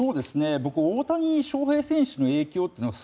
僕、大谷翔平選手の影響というのが